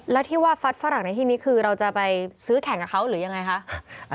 แล้วที่ว่าฟัดฝรั่งในที่นี้คือเราจะไปซื้อแข่งกับเขาหรือยังไงคะ